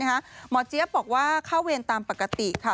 หมอเจี๊ยบบอกว่าเข้าเวรตามปกติค่ะ